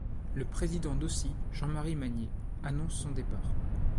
Le président d'Ausy, Jean-Marie Magnet, annonce son départ.